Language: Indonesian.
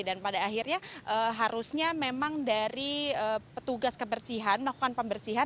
dan pada akhirnya harusnya memang dari petugas kebersihan melakukan pembersihan